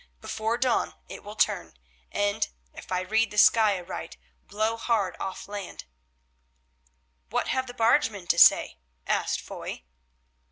Before dawn it will turn, and, if I read the sky aright, blow hard off land." "What have the bargemen to say?" asked Foy.